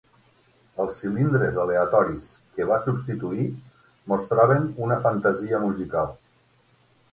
Els cilindres aleatoris que va substituir mostraven una fantasia musical.